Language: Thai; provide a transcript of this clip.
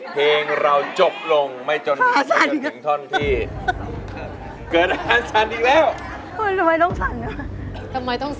ภาระในเขตอ้อมแทน